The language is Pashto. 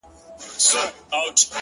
پر دې دُنیا سوځم پر هغه دُنیا هم سوځمه،